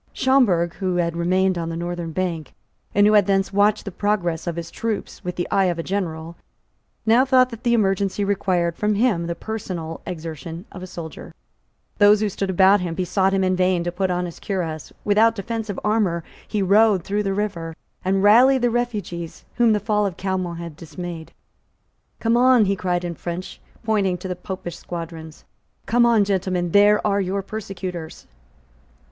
Schomberg, who had remained on the northern bank, and who had thence watched the progress of his troops with the eye of a general, now thought that the emergency required from him the personal exertion of a soldier. Those who stood about him besought him in vain to put on his cuirass. Without defensive armour he rode through the river, and rallied the refugees whom the fall of Caillemot had dismayed. "Come on," he cried in French, pointing to the Popish squadrons; "come on, gentlemen; there are your persecutors."